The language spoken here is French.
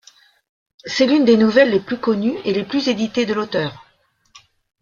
C'est l'une des nouvelles les plus connues et les plus éditées de l’auteur.